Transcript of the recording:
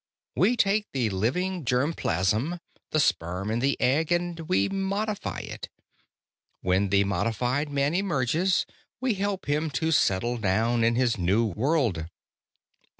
We take the living germ plasm, the sperm and the egg, and we modify it. When the modified man emerges, we help him to settle down in his new world.